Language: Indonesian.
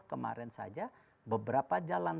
kemarin saja beberapa jalan